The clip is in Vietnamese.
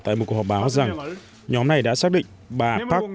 tại một cuộc họp báo rằng nhóm này đã xác định bà park